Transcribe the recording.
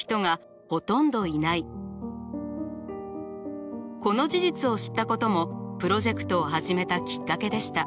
更にこの事実を知ったこともプロジェクトを始めたきっかけでした。